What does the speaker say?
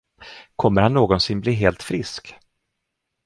Kommer han någonsin bli helt frisk?